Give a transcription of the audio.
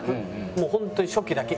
もう本当に初期だけ。